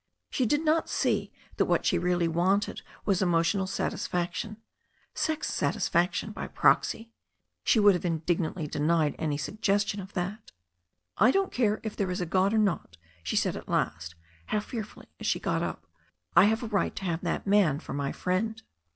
She did not see that what she really wanted was emotional satisfaction, sex satisfaction by proxy. She would have in dignantly denied any suggestion of that "I don't care if there is a God or not," she said at last, half fearfully, as she got up, "I have a right to have that man for my friend."